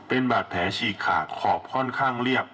เป็นบาดแผลฉีกขาดขอบค่อนข้างเรียบ